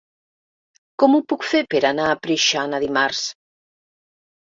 Com ho puc fer per anar a Preixana dimarts?